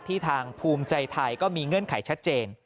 ทางภูมิใจไทยก็มีเงื่อนไขชัดเจน